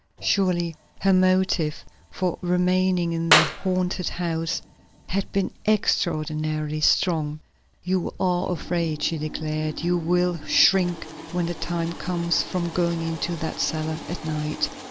Surely her motive for remaining in the haunted house had been extraordinarily strong. "You are afraid," she declared. "You will shrink, when the time comes, from going into that cellar at night."